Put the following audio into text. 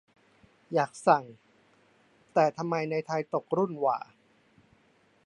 อยากสั่ง แต่ทำไมในไทยตกรุ่นหว่า